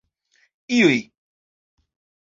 iuj